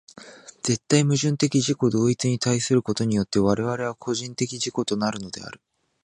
絶対矛盾的自己同一に対することによって我々は個人的自己となるのである。